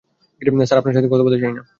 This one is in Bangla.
স্যার, আপনার সাথে কথা বলতে চাই না।